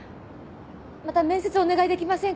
また面接お願いできませんか？